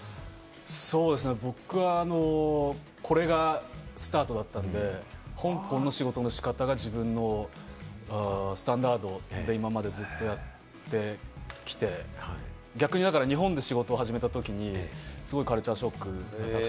そうですね、僕はこれがスタートだったんで、香港の仕事の仕方が自分のスタンダードで今までずっとやってきて、逆にだから日本で仕事を始めたときに、すごいカルチャーショックで。